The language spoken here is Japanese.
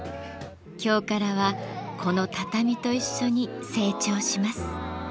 今日からはこの畳と一緒に成長します。